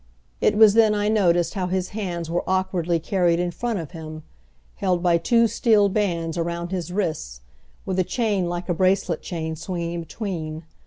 It was then I noticed how his hands were awkwardly carried in front of him, held by two steel bands around his wrists, with a chain like a bracelet chain swinging between.